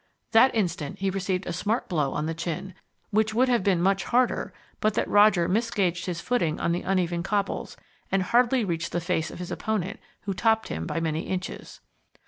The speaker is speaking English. That instant he received a smart blow on the chin, which would have been much harder but that Roger misgauged his footing on the uneven cobbles, and hardly reached the face of his opponent, who topped him by many inches.